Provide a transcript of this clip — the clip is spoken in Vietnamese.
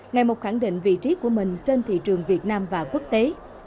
ngày một khẳng định vị trí của mình trên thị trường việt nam và quốc tế